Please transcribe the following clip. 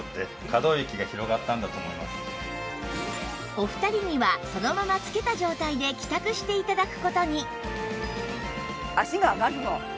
お二人にはそのまま着けた状態で帰宅して頂く事に